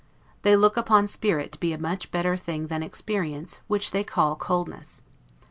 They look upon spirit to be a much better thing than experience; which they call coldness.